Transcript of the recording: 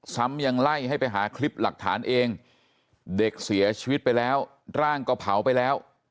ซ้ำยังไล่ให้ไปหาคลิปหลักฐานเองเด็กเสียชีวิตไปแล้วร่างก็เผาไปแล้ว